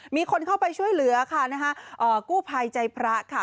มีคนเข้าไปช่วยเหลือค่ะนะฮะกู้ภัยใจพระค่ะ